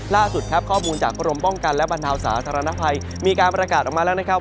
ล่าสุดครับข้อมูลจากกรมป้องกันและบรรเทาสาธารณภัยมีการประกาศออกมาแล้วนะครับ